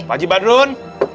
pak haji badrun